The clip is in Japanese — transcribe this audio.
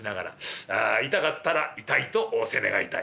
「痛かったら痛いと仰せ願いたい。